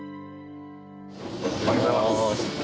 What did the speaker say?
おはようございます。